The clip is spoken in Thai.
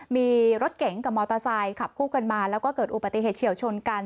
มีรถเก๋งกับมอเตอร์ไซค์ขับคู่กันมาแล้วก็เกิดอุบัติเหตุเฉียวชนกัน